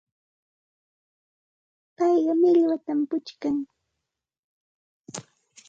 Payqa millwatam puchkan.